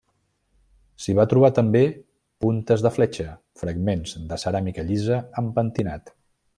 S'hi va trobar també puntes de fletxa, fragments de ceràmica llisa amb pentinat.